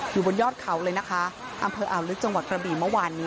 อยู่บนยอดเขาเลยนะคะอำเภออัลลุชธ์จังหวัดฏรบิหม้อวานนี้